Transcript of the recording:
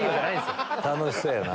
⁉楽しそうやな。